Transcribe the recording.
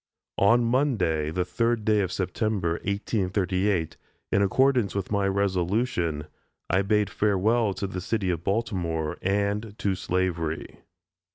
On Monday, the third day of September, 1838, in accordance with my resolution, I bade farewell to the city of Baltimore, and to slavery.